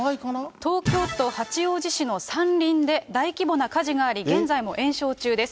東京都八王子市の山林で大規模な火事があり、現在も延焼中です。